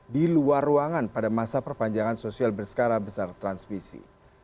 di luar ruangan pada masa perpanjangan sosial berskala besar transmisi